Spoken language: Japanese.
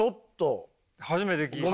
初めて聞いた。